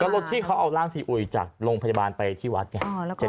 รถที่เขาเอาร่างซีอุยจากโรงพยาบาลไปที่วัดไง